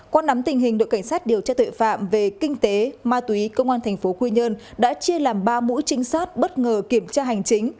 qua nắm tình hình đội cảnh sát điều tra tội phạm về kinh tế ma túy công an thành phố quy nhơn đã chia làm ba mũi trinh sát bất ngờ kiểm tra hành chính